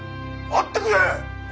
待ってくれ！